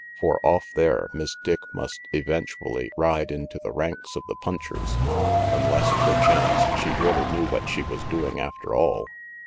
For off there Miss Dick must eventually ride into the ranks of the punchers, unless, per chance, she really knew what she was doing after all.